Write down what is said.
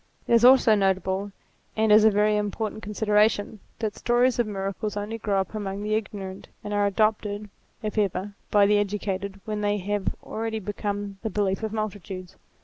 It is also noticeable and is a very important con 238 THEISM sideration, that stories of miracles only grow up among the ignorant and are adopted, if ever, by the educated when they have already become the belief of multitudes.